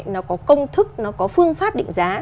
nó có công thức nó có phương pháp định giá